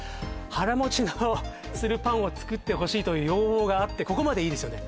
腹持ちのするパンを作ってほしいという要望があってここまでいいですよね